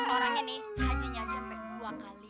orangnya nih hajinya aja sampai dua kali